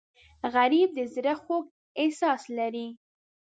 غریب د زړه خوږ احساس لري